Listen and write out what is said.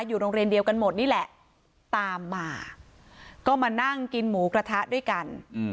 อยู่โรงเรียนเดียวกันหมดนี่แหละตามมาก็มานั่งกินหมูกระทะด้วยกัน